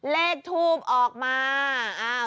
เลขทูบออกมา